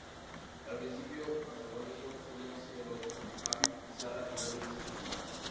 Al principio antagónicos uno hacia el otro, Habib y Sarah finalmente se enamoran.